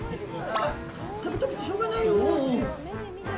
食べたくてしょうがないよー！